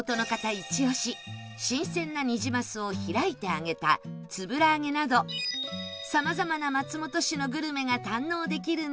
イチ押し新鮮なニジマスを開いて揚げたつぶら揚げなどさまざまな松本市のグルメが堪能できるんです